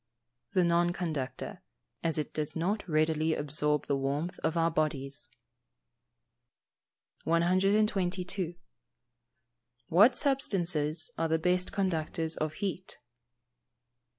_ The non conductor, as it does not readily absorb the warmth of our bodies. 122. _What substances are the best conductors of heat?